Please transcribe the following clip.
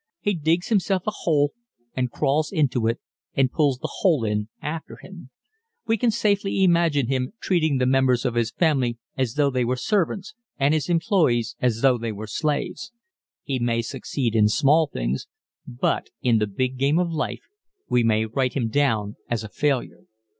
He digs himself a hole and crawls into it and pulls the hole in after him. We can safely imagine him treating the members of his family as though they were servants, and his employees as though they were slaves. He may succeed in small things but in the big game of life we may write him down as a failure.